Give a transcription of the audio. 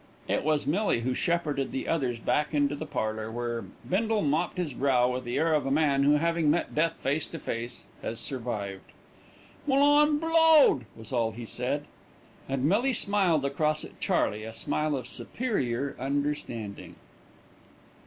It was Millie who shepherded the others back into the parlour, where Bindle mopped his brow, with the air of a man who, having met death face to face, has survived. "Well, I'm blowed!" was all he said. And Millie smiled across at Charley, a smile of superior understanding.